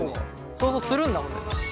想像するんだもんね。